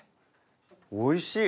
おいしい。